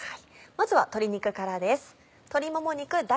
まずは鶏肉からです。